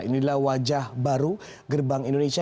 inilah wajah baru gerbang indonesia